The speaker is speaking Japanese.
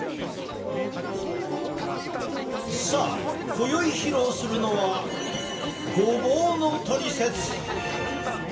さあ今宵披露するのはごぼうのトリセツ！